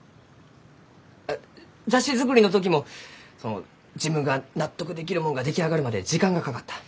あ雑誌作りの時もその自分が納得できるもんが出来上がるまで時間がかかった。